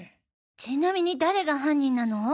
ちなみに誰が犯人なの？